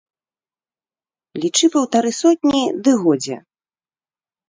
Лічы паўтары сотні, ды годзе!